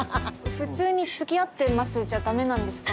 普通につきあってますじゃダメなんですか？